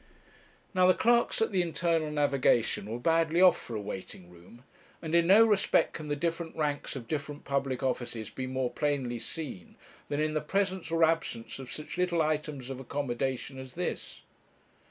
Now the clerks at the Internal Navigation were badly off for a waiting room; and in no respect can the different ranks of different public offices be more plainly seen than in the presence or absence of such little items of accommodation as this.